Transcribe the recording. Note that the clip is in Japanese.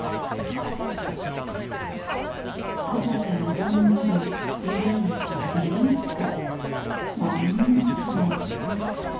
「朝から晩までデレンコデレンコ―――なんにもしない。